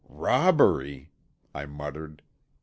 "Robbery," I muttered.